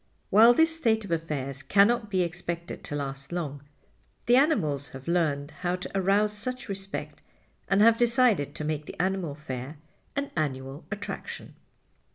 While this state of affairs cannot be expected to last long, the animals have learned how to arouse such respect and have decided to make the Animal Fair an annual attraction.